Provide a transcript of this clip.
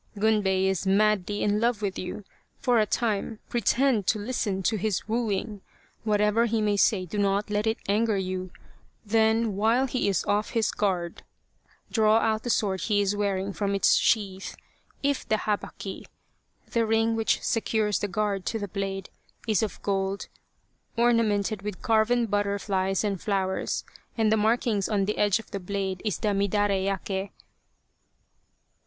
Gunbei is madly in love with you. For a time pre tend to listen to his wooing whatever he may say do not let it anger you then while he is off his guard draw out the sword he is wearing from its sheath : if the habaki (the ring which secures the guard to the blade) is of gold, ornamented with carven butterflies and flowers, and the markings on the edge of the blade is the midare yake* be sure that it is the missing Kunitsugu sword.